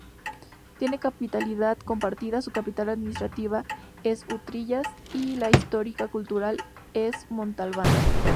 Tiene capitalidad compartida: su capital administrativa es Utrillas y la histórico-cultural es Montalbán.